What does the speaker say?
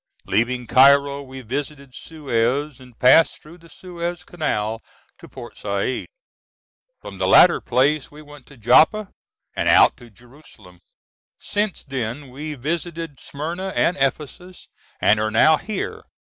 Leaving Cairo we visited Suez and passed through the Suez Canal to Port Said. From the latter place we went to Joppa and out to Jerusalem. Since then we visited Smyrna and Ephesus and are now here.